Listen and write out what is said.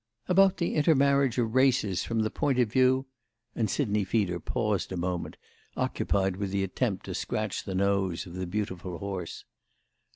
"About the intermarriage of races from the point of view—" And Sidney Feeder paused a moment, occupied with the attempt to scratch the nose of the beautiful horse.